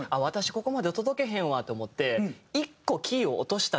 ここまで届けへんわって思って。